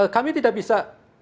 kami tidak bisa